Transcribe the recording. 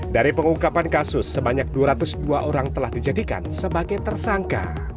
dari pengungkapan kasus sebanyak dua ratus dua orang telah dijadikan sebagai tersangka